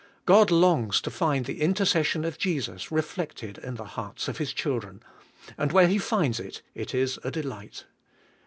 God longs to find the intercession of Jesus reflected in the hearts of His children, and where He finds it, it is a delight.